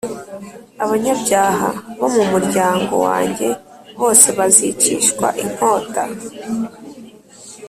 abanyabyaha bo mu muryango wanjye bose bazicishwa inkota,